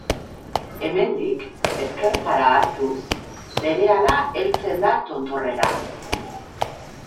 Hemendik, ezkerretara hartuz, berehala heltzen da tontorrera.